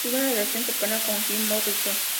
Tuvo una relación cercana con Jim Morrison.